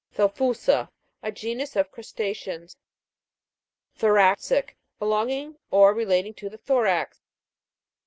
THELPHU'SA. A genus of crusta' ceans. THORA'CIC. Belonging or relating to the thorax.